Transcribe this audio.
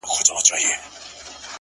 ما پر اوو دنياوو وسپارئ ـ خبر نه وم خو ـ